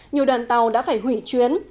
nhiều đoàn tàu đã phải hủy chuyến